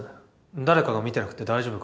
誰かが見てなくて大丈夫か？